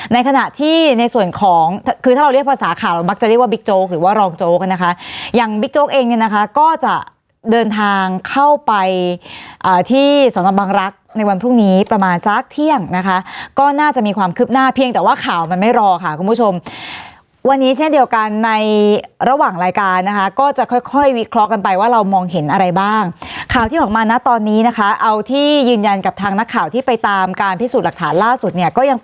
ในขณะที่ในส่วนของคือถ้าเราเรียกภาษาข่าวมักจะเรียกว่าบิ๊กโจ๊กหรือว่ารองโจ๊กนะคะอย่างบิ๊กโจ๊กเองนะคะก็จะเดินทางเข้าไปที่สนบังรักษณ์ในวันพรุ่งนี้ประมาณสักเที่ยงนะคะก็น่าจะมีความคืบหน้าเพียงแต่ว่าข่าวมันไม่รอค่ะคุณผู้ชมวันนี้เช่นเดียวกันในระหว่างรายการนะคะก็จะค่อยวิเคราะห